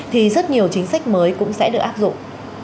thì rất nhiều chính sách mới cũng sẽ được áp dụng